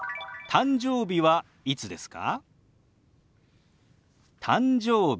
「誕生日はいつですか？」。